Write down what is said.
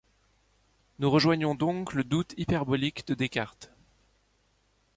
Nous rejoignons donc le doute hyperbolique de Descartes.